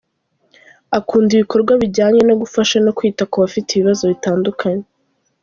Akunda ibikorwa bijyanye no gufasha no kwita ku bafite ibibazo bitandukanye.